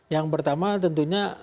yang pertama tentunya